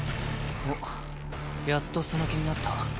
おっやっとその気になった？